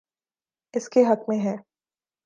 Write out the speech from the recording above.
اس کے حق میں ہے۔